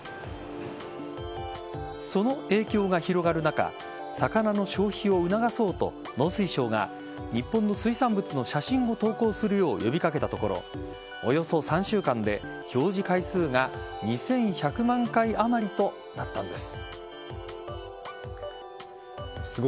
その影響が広がる中魚の消費を促そうと農水省が日本の水産物の写真を投稿するよう呼び掛けたところおよそ３週間で表示回数が２１００万回あまりとなったんです。